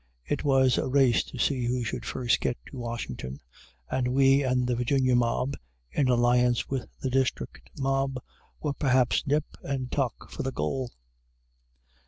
It was a race to see who should first get to Washington, and we and the Virginia mob, in alliance with the District mob, were perhaps nip and tuck for the goal.